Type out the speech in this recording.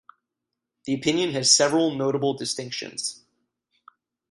The opinion has several notable distinctions.